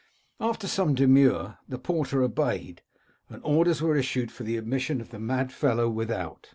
After some demur, the porter obeyed ; and orders were issued for the admission of the mad fellow without.